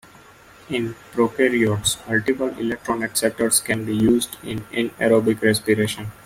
In prokaryotes, multiple electron acceptors can be used in anaerobic respiration.